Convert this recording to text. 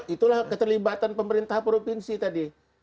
itulah keterlibatan pemerintah provinsi tadi